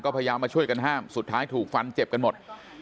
พยายามมาช่วยกันห้ามสุดท้ายถูกฟันเจ็บกันหมด